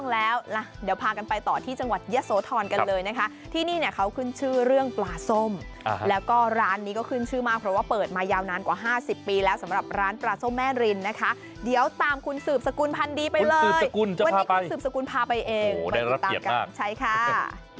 แล้วก็ร้านนี้ก็ขึ้นชื่อมาเพราะว่าเปิดมายาวนานกว่า๕๐ปีแล้วสำหรับร้านปลาซ่อมแม่ฝรินนะคะเดี๋ยวตามคุณสูอิบสกุลพันธุ์ดีไปเลยคุณสูอิบสกุล